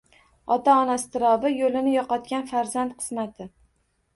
Ota-ona iztirobi, yo‘lini yo‘qotgan farzand qismati...